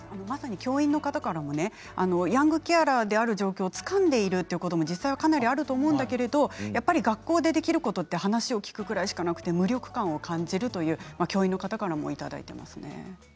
まさに教員の方からもヤングケアラーである状況をつかんでいることも実際にあると思うんだけれども、学校でできることは話を聞くぐらいしかなくて無力感を感じると教員の方からもいただいていますね。